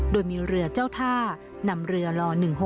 โดยมีเรือเจ้าท่านำเรือล๑๖๖